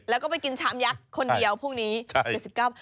แล้วก็ไปกินชามยักษ์คนเดียวพรุ่งนี้ใช่๗๙บาท